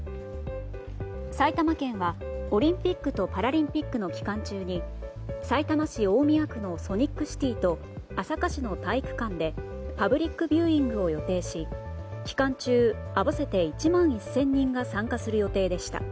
埼玉県はオリンピックとパラリンピックの期間中にさいたま市大宮区のソニックシティと朝霞市の体育館でパブリックビューイングを予定し期間中合わせて１万１０００人が参加する予定でした。